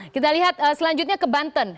kita lihat selanjutnya ke banten